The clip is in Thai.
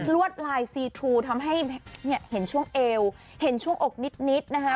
วดลายซีทูทำให้เห็นช่วงเอวเห็นช่วงอกนิดนะคะ